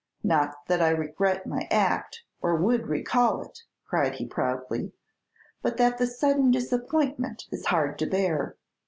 Not that I regret my act, or would recall it," cried he, proudly, "but that the sudden disappointment is hard to bear.